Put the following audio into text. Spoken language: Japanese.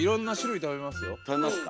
食べますか。